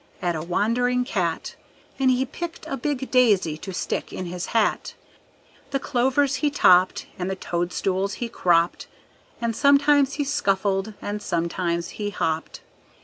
At a wandering cat, And he picked a big daisy to stick in his hat; The clovers he topped, And the toadstools he cropped, And sometimes he scuffled and sometimes he hopped.